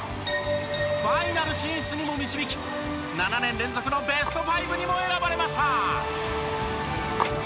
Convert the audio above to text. ファイナル進出にも導き７年連続のベストファイブにも選ばれました。